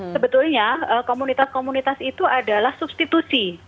sebetulnya komunitas komunitas itu adalah substitusi